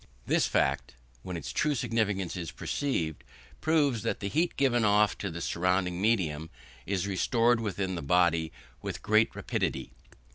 This fact, when its true significance is perceived, proves that the heat given off to the surrounding medium is restored within the body with great rapidity.